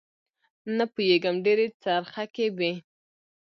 نه پوېېږم ډېرې څرخکې وې.